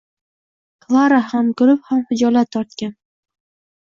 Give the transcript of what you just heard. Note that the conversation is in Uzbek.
Klara ham kulib, ham xijolat tortgan.